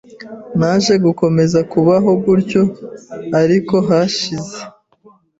naje gukomeza kubaho gutyo ariko hashize